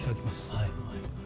はい。